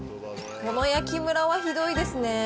この焼きむらはひどいですね。